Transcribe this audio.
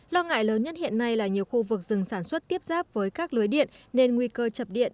lo ngại lớn nhất hiện nay là nhiều khu vực rừng sản xuất tiếp giáp với các lưới điện nên nguy cơ chập điện